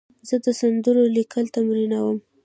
زه د سندرو لیکل تمرینوم.